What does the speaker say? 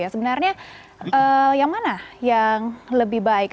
sebenarnya yang mana yang lebih baik